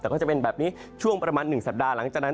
แต่ก็จะเป็นแบบนี้ช่วงประมาณ๑สัปดาห์หลังจากนั้น